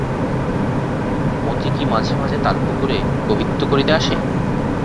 মতি কি মাঝে মাঝে তালপুকুরে কবিত্ব করিতে আসে?